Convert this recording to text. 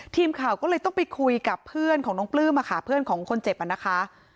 ทีมข่าวก็เลยต้องไปคุยกับเพื่อนของน้องปลื้มค่ะเพื่อนของคนเจ็บอ่ะนะคะ